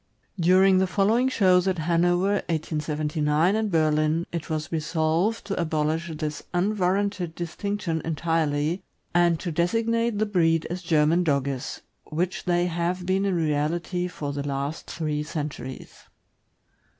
During the following shows at Hanover (1879) and Berlin, it was resolved to abolish this unwarranted distinction entirely, and to designate the breed as German Dogges, which they have been in reality for the last three centuries.